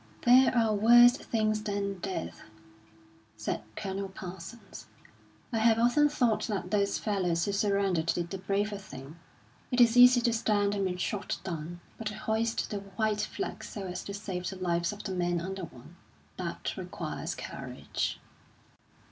"There are worse things than death," said Colonel Parsons. "I have often thought that those fellows who surrendered did the braver thing. It is easy to stand and be shot down, but to hoist the white flag so as to save the lives of the men under one that requires courage."